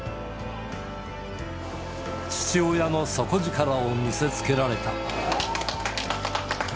父親の底力を見せつけられた。